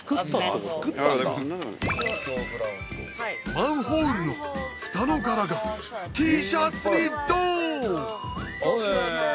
マンホールの蓋の柄がＴシャツにドーン！